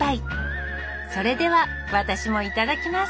それでは私もいただきます